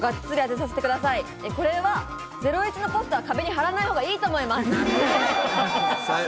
これは『ゼロイチ』のポスターを壁に貼らないほうがいいと思います。